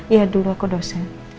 iya dulu aku dosen